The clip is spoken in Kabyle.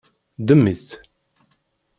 Ddem-itt.